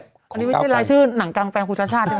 อันนี้ไม่ใช่รายชื่อหนังกางแปลงคุณชาติชาติใช่ไหม